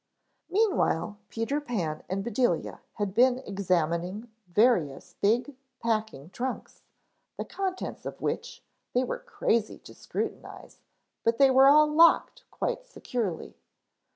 Meanwhile Peter Pan and Bedelia had been examining various big packing trunks, the contents of which they were crazy to scrutinize, but they were all locked quite securely.